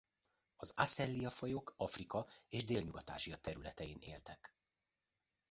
Az Asellia-fajok Afrika és Délnyugat-Ázsia területein éltek.